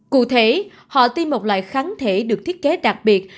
cụ thể họ tiêm một loại kháng thể được thiết kế đặc biệt